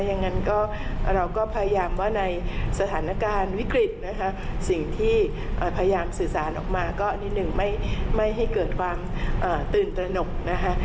อย่างนั้นก็เราก็พยายามว่าในสถานการณ์วิกฤตนะคะสิ่งที่พยายามสื่อสารออกมาก็นิดนึงไม่ให้เกิดความตื่นตระหนกนะคะ